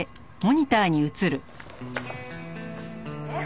「えっ？